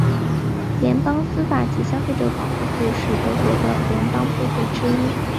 联邦司法及消费者保护部是德国的联邦部会之一。